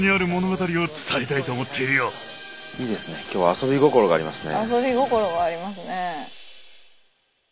遊び心がありますね。